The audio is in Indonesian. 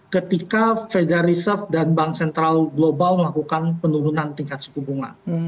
ketika fega reserve dan bank sentral global melakukan penurunan tingkat suku bunga